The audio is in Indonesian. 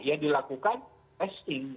ya dilakukan testing